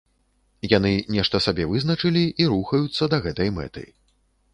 Яны нешта сабе вызначылі і рухаюцца да гэтай мэты.